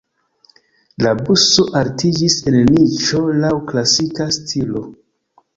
La busto altiĝis en niĉo laŭ klasika stilo.